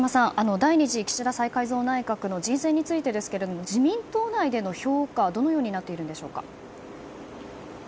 第２次岸田改造内閣の人選についてですが自民党内での評価は、どのようになっているんでしょうか。